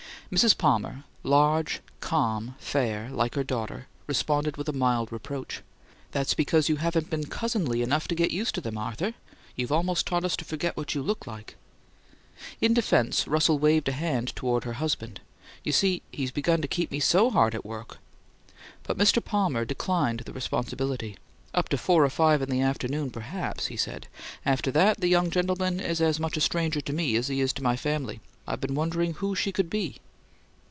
Mrs. Palmer, large, calm, fair, like her daughter, responded with a mild reproach: "That's because you haven't been cousinly enough to get used to them, Arthur. You've almost taught us to forget what you look like." In defense Russell waved a hand toward her husband. "You see, he's begun to keep me so hard at work " But Mr. Palmer declined the responsibility. "Up to four or five in the afternoon, perhaps," he said. "After that, the young gentleman is as much a stranger to me as he is to my family. I've been wondering who she could be."